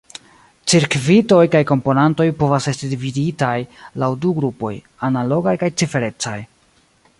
Cirkvitoj kaj komponantoj povas esti dividitaj laŭ du grupoj: analogaj kaj ciferecaj.